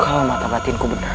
kalau mata batinku benar